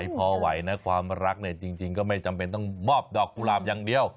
พอไหวนะความรักเนี่ยจริงก็ไม่จำเป็นต้องมอบดอกกุหลาบอย่างเดียว